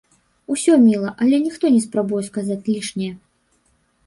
Усё міла, але ніхто не спрабуе сказаць лішняе.